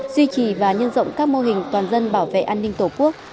duy trì và nhân rộng các mô hình toàn dân bảo vệ an ninh tổ quốc